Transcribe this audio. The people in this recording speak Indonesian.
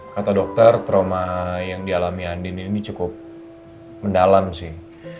kata dokter trauma yang dialami andini ini cukup mendalam sih